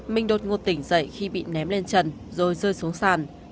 mình đột ngột tỉnh dậy khi bị ném lên trần rồi rơi xuống sàn